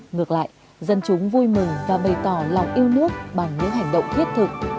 ngược lại dân chúng vui mừng và bày tỏ lòng yêu nước bằng những hành động thiết thực